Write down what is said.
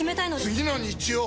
次の日曜！